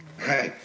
はい。